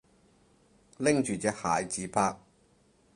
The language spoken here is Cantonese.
拎住隻鞋自拍